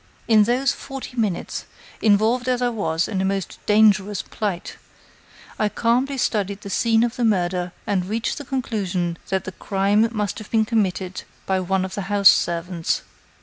In those forty minutes, involved as I was in a most dangerous plight, I calmly studied the scene of the murder and reached the conclusion that the crime must have been committed by one of the house servants.